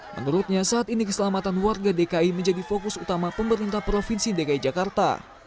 menurutnya saat ini keselamatan warga dki menjadi fokus utama pemerintah provinsi dki jakarta